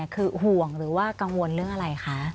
คือห่วงหรือว่ากังวลเรื่องอะไรคะ